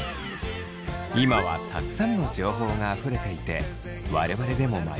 今はたくさんの情報があふれていて我々でも迷います。